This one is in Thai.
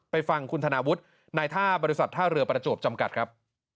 ฟังคุณธนาวุฒิในท่าบริษัทท่าเรือประจวบจำกัดครับ